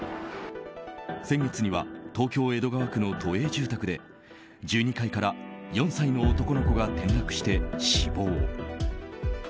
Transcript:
先月には東京・江戸川区の都営住宅で１２階から４歳の男の子が転落して死亡。